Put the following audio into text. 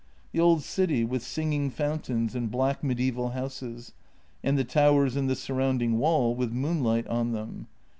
The old city with singing fountains and black mediaeval houses, and the towers in the surrounding wall with moonlight on them.